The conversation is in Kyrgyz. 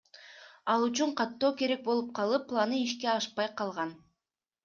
Ал үчүн каттоо керек болуп калып, планы ишке ашпай калган.